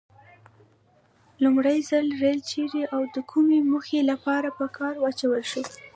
لومړي ځل ریل چیري او د کومې موخې لپاره په کار واچول شو؟